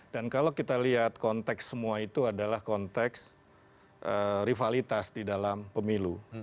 dan kalau kita lihat konteks semua itu adalah konteks rivalitas di dalam pemilu